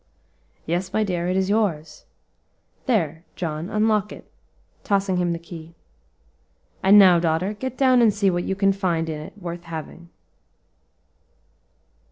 "Yes, my dear, it is yours. There, John, unlock it," tossing him the key. "And now, daughter, get down and see what you can find in it worth having."